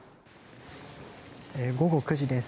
午後９時です。